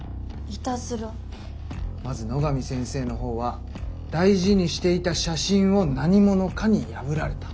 まず野上先生の方は大事にしていた写真を何者かに破られた。